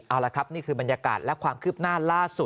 เอาละครับนี่คือบรรยากาศและความคืบหน้าล่าสุด